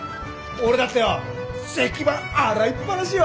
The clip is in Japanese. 俺だってよ石版洗いっぱなしよ！